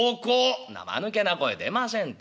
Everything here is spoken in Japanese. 「んなまぬけな声出ませんって。